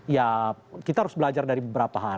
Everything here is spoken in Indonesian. ya kita harus belajar dari beberapa hal